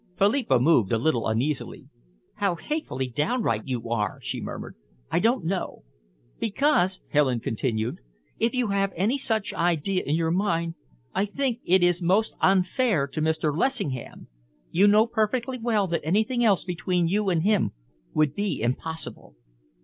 Philippa moved a little uneasily. "How hatefully downright you are!" she murmured. "I don't know." "Because," Helen continued, "if you have any such idea in your mind, I think it is most unfair to Mr. Lessingham. You know perfectly well that anything else between you and him would be impossible."